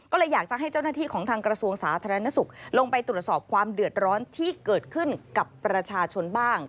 ก็เลยอยากจะให้เจ้าหน้าที่ของทางกระทรวงสาธารณสุขลงไปตรวจสอบความเดือดร้อนที่เกิดขึ้นกับประชาชนบ้าง